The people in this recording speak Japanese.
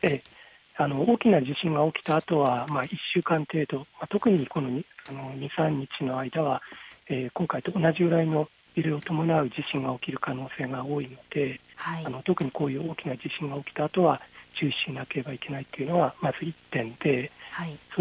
大きな地震が起きたあとは１週間程度、特にこの２、３日の間は今回と同じぐらいの揺れを伴う地震が起きる可能性が多いので特にこういう大きな地震が起きたあとは注意しなければいけないというのはまず１点です。